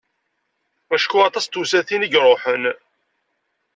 Acku aṭas n tewsatin i iruḥen.